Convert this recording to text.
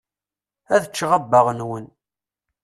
Ad ččeɣ abbaɣ-nwen.